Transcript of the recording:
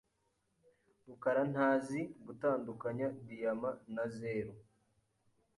rukarantazi gutandukanya diyama na zeru.